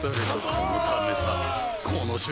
このためさ